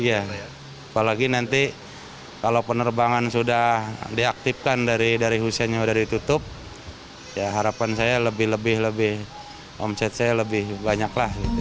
apalagi nanti kalau penerbangan sudah diaktifkan dari husainya sudah ditutup harapan saya lebih lebih omset saya lebih banyak